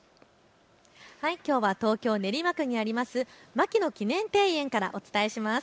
きょうは東京練馬区にあります牧野記念庭園からお伝えします。